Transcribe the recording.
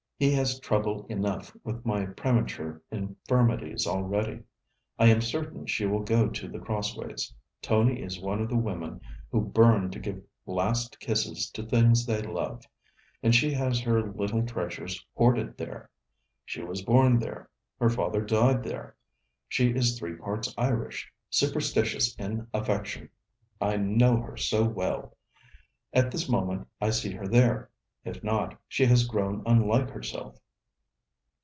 He has trouble enough with my premature infirmities already. I am certain she will go to The Crossways. Tony is one of the women who burn to give last kisses to things they love. And she has her little treasures hoarded there. She was born there. Her father died there. She is three parts Irish superstitious in affection. I know her so well. At this moment I see her there. If not, she has grown unlike herself.'